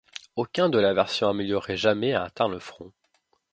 Aucun de la version améliorée jamais a atteint le front.